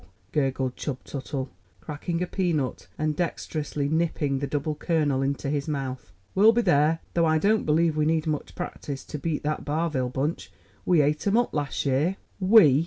gurgled Chub Tuttle, cracking a peanut and dexterously nipping the double kernel into his mouth. "We'll be there, though I don't believe we need much practice to beat that Barville bunch. We ate 'em up last year." "We!"